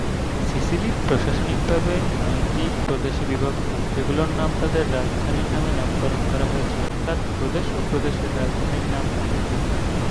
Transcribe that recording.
Sicily প্রশাসনিকভাবে নয়টি প্রদেশে বিভক্ত, যেগুলোর নাম তাদের রাজধানীর নামে নামকরণ করা হয়েছে অর্থাৎ প্রদেশ ও প্রদেশের রাজধানীর নাম একই।